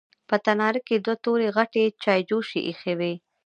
په تناره کې دوه تورې غټې چايجوشې ايښې وې.